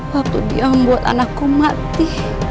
waktu dia membuat anakku mati